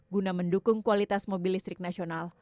guna mendukung kualitas mobil listrik nasional